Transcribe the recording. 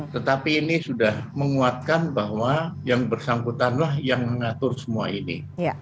tetapi ini sudah menguatkan bahwa yang bersangkutanlah yang mengatur semua ini